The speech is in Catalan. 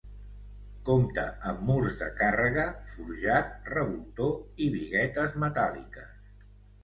Compta amb murs de càrrega, forjat, revoltó i biguetes metàl·liques.